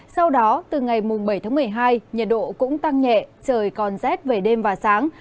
sau đó từ ngày bảy tháng một mươi hai nhiệt độ cũng tăng nhẹ trời còn rét về đêm và sáng